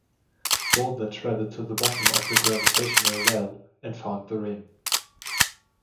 Bolder travelled to the bottom of the gravitational well, and found the Ring.